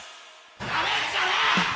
なめんじゃねえ！